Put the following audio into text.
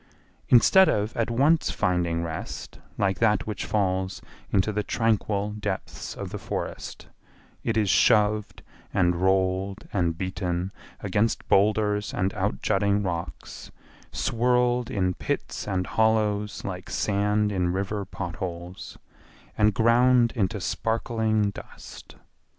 Instead of at once finding rest like that which falls into the tranquil depths of the forest, it is shoved and rolled and beaten against boulders and out jutting rocks, swirled in pits and hollows like sand in river pot holes, and ground into sparkling dust.